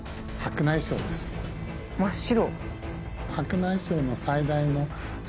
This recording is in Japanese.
真っ白。